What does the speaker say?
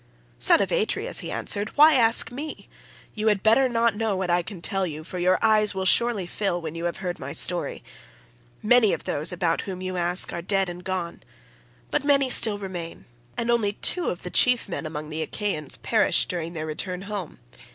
"'Son of Atreus,' he answered, 'why ask me? You had better not know what I can tell you, for your eyes will surely fill when you have heard my story. Many of those about whom you ask are dead and gone, but many still remain, and only two of the chief men among the Achaeans perished during their return home.